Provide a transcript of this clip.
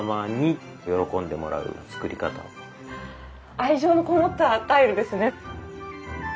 愛情のこもったタイルですね。